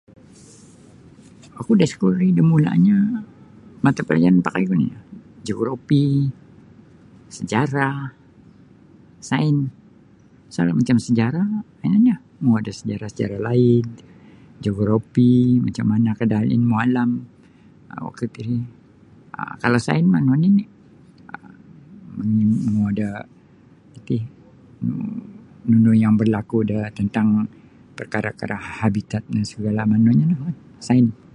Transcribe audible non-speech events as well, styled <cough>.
oku da iskul ri da mulanyo mata palajaran mapakaiku nio Geografi, Sejarah, Sains. Salalu um macam Sejarah ino nio, <unintelligible> sajarah-sajarah laid, Geografi macam mana da ilmu alam um kalau sains ino nini' ilmu yang barlaku da tantang parkara-parkara habitat <unintelligible> sains.